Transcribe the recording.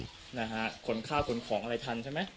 นะฮะขนข้าวขนของอะไรทันใช่ไหม